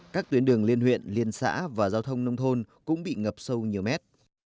các tuyến đường liên huyện liên xã và giao thông nông thôn cũng bị ngập sâu nhiều mét